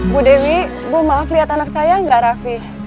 bu dewi bu maaf liat anak saya gak rafi